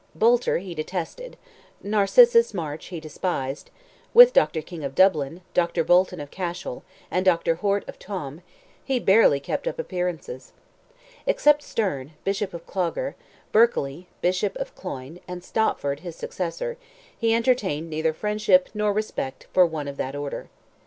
Boulter he detested; Narcissus Marsh he despised; with Dr. King of Dublin, Dr. Bolton of Cashel, and Dr. Horte of Tuam, he barely kept up appearances. Except Sterne, Bishop of Clogher, Berkely, Bishop of Cloyne, and Stopford, his successor, he entertained neither friendship nor respect for one of that order.